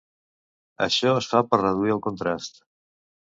Això es fa per reduir el contrast.